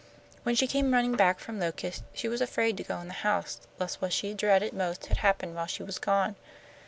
When she came running back from Locust, she was afraid to go in the house, lest what she dreaded most had happened while she was gone.